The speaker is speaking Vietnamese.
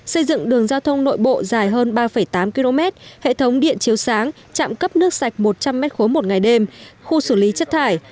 xây dựng đường giao thông nội bộ dài hơn ba tám km hệ thống điện chiếu sáng trạm cấp nước sạch một trăm linh m ba một ngày đêm khu xử lý chất thải